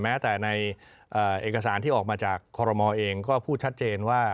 แม้แต่ในเอกสารที่ออกมาจากคอรมอลเองก็พูดชัดเจนว่า